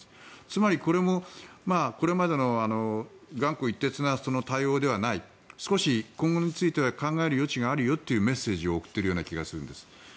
つまり、これもこれまでの頑固一徹な対応ではない少し今後について考える余地があるよというメッセージを送っているような気がするんです。